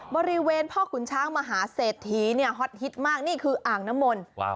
บริเวณพ่อขุนช้างมหาเศรษฐีเนี่ยฮอตฮิตมากนี่คืออ่างน้ำมนต์